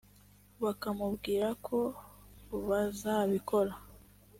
bakamubwira ko bazabikora